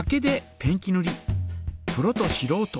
プロとしろうと